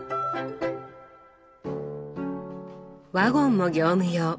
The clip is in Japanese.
ワゴンも業務用。